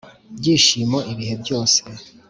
byishimo ibihe byose.